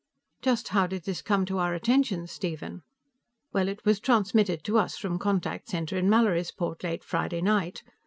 Just how did this come to our attention, Stephen?" "Well, it was transmitted to us from Contact Center in Mallorysport late Friday night.